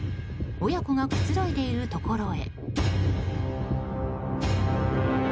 親子がくつろいでいるところへ。